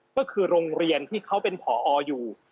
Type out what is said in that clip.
ก็คือโรงเรียนที่เขาเป็นผออยู่